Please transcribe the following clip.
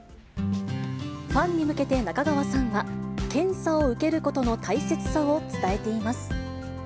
ファンに向けて中川さんは、検査を受けることの大切さを伝えています。